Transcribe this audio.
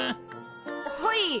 はい。